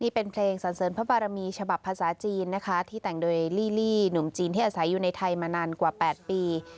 เป็นเพลงสันเสริญพระบารมีฉบับภาษาจีนนะคะที่แต่งโดยลี่หนุ่มจีนที่อาศัยอยู่ในไทยมานานกว่า๘ปี